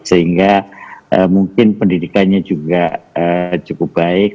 sehingga mungkin pendidikannya juga cukup baik